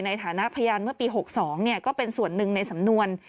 ในฐานะพยานเมื่อปี๖๒ก็เป็นส่วนหนึ่งในสำนวน